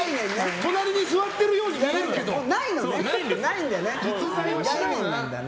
隣に座っているように見えるけどね。